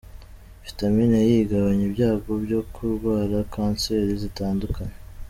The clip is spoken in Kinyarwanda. Vitamine E igabanya ibyago byo kurwara kanseri zitandukanye.